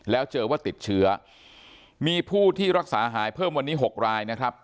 แล้วเจอว่าติดเชื้อมีผู้ที่รักษาหายเพิ่มวันนี้๖รายนะครับ